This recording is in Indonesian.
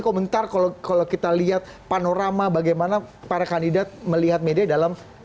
komentar kalau kita lihat panorama bagaimana para kandidat melihat media dalam